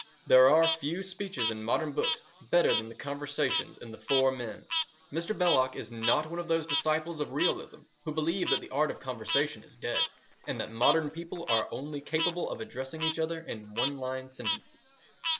There are few speeches in modern books better than the conversations in The Four Men. Mr. Belloc is not one of those disciples of realism who believe that the art of conversation is dead, and that modern people are only capable of addressing each other in one line sentences.